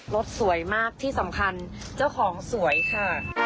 สวยมากที่สำคัญเจ้าของสวยค่ะ